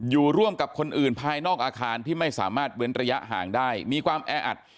ร่วมกับคนอื่นภายนอกอาคารที่ไม่สามารถเว้นระยะห่างได้มีความแออัด